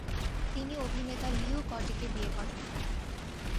তিনি অভিনেতা লিউ কডিকে বিয়ে করেন।